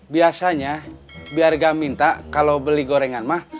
biasanya biar gak minta kalau beli gorengan mah